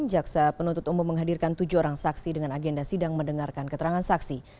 jaksa penuntut umum menghadirkan tujuh orang saksi dengan agenda sidang mendengarkan keterangan saksi